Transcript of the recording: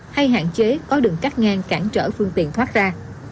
hay hạn chế có đường cách ngang cản trở phương tiện thoát ra